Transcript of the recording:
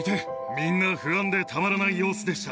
みんな不安でたまらない様子でした。